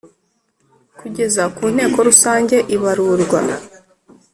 Kugeza ku nteko rusange ibarurwa